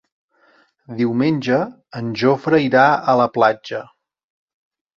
Diumenge en Jofre irà a la platja.